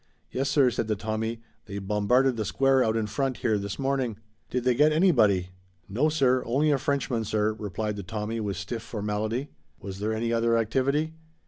"Yes, sir," said the Tommy. "They bombarded the square out in front here this morning." "Did they get anybody?" "No, sir, only a Frenchman, sir," replied the Tommy with stiff formality. "Was there any other activity?"